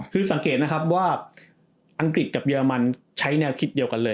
คือสังเกตนะครับว่าอังกฤษกับเรมันใช้แนวคิดเดียวกันเลย